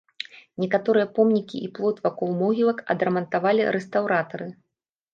Некаторыя помнікі і плот вакол могілак адрамантавалі рэстаўратары.